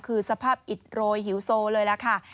คือสภาพอิดโรยหิวโซเลยล่ะค่ะ